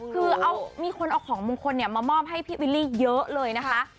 คือมีคนเอาของมงคลมามอบให้พี่วิลลี่เยอะเลยนะคะ